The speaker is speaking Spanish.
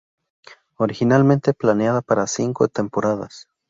Originalmente planeada para cinco temporadas.